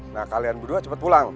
nah kalian berdua cepet pulang